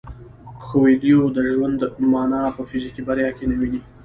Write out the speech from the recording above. کویلیو د ژوند مانا په فزیکي بریا کې نه ویني.